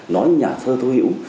nói như nhà thơ tôi hiểu